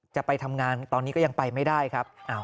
จะไปทำงานตอนนี้ก็ยังไปไม่ได้ครับ